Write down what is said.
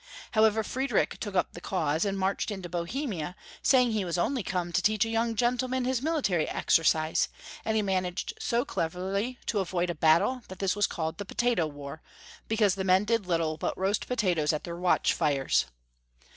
However, Friedrich took up the cause, and marched into Bohemia, saying he was only come to teach a young gentleman liis military exercise, and he man aged so cleverly to avoid a battle that this was called the potato war, because the men did little but roast potatoes at their watch fires.